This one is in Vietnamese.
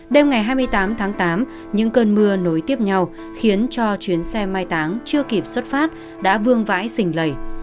đêm ngày hai mươi tám tháng tám những cơn mưa nối tiếp nhau khiến cho chuyến xe mai táng chưa kịp xuất phát đã vương vãi xình lầy